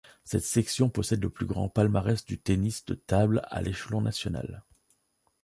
Cette section possède le plus grand palmarès du tennis de table à l'échelon national.